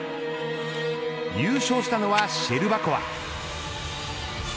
優勝したのはシェルバコワ。